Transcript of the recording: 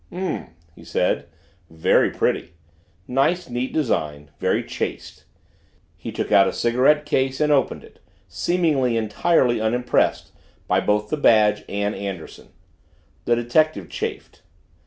"H'm," he said. "Very pretty nice neat design very chaste!" He took out a cigarette case and opened it, seemingly entirely unimpressed by both the badge and Anderson. The detective chafed.